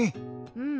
うん。